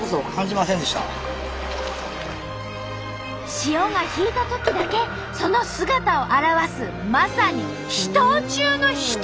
潮が引いたときだけその姿を現すまさに秘湯中の秘湯！